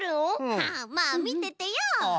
まあまあみててよ。